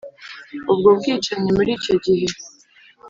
ubwo bwicanyi. muri icyo gihe